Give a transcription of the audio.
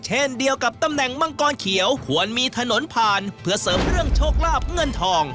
เช่นเดียวกับตำแหน่งมังกรเขียวควรมีถนนผ่านเพื่อเสริมเรื่องโชคลาบเงินทอง